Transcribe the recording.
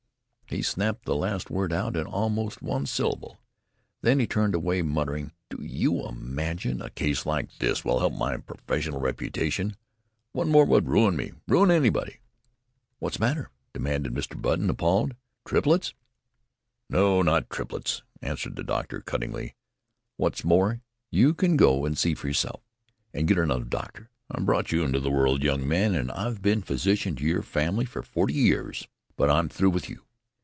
He snapped the last word out in almost one syllable, then he turned away muttering: "Do you imagine a case like this will help my professional reputation? One more would ruin me ruin anybody." "What's the matter?" demanded Mr. Button appalled. "Triplets?" "No, not triplets!" answered the doctor cuttingly. "What's more, you can go and see for yourself. And get another doctor. I brought you into the world, young man, and I've been physician to your family for forty years, but I'm through with you!